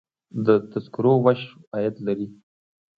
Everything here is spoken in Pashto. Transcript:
د تذکرو ویش عاید لري